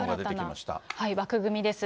新たな枠組みです。